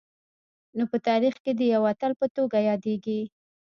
نو په تاریخ کي د یوه اتل په توګه یادیږي